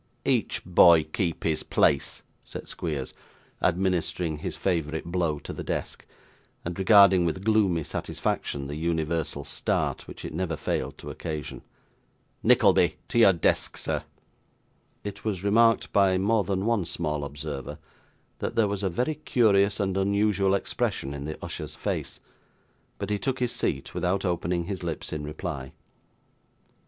'Each boy keep his place,' said Squeers, administering his favourite blow to the desk, and regarding with gloomy satisfaction the universal start which it never failed to occasion. 'Nickleby! to your desk, sir.' It was remarked by more than one small observer, that there was a very curious and unusual expression in the usher's face; but he took his seat, without opening his lips in reply.